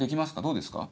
どうですか？